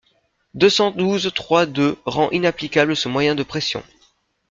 deux cent douze-trois-deux rend inapplicable ce moyen de pression.